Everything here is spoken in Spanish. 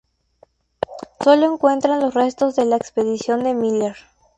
Sólo encuentran los restos de la expedición de Miller.